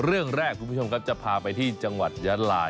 เรื่องแรกคุณผู้ชมครับจะพาไปที่จังหวัดยาลา